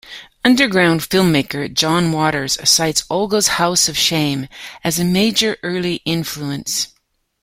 Underground filmmaker John Waters cites "Olga's House of Shame" as a major early influence.